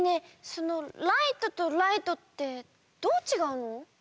その「ライト」と「ライト」ってどうちがうの？